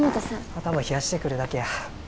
頭冷やしてくるだけや。